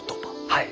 はい。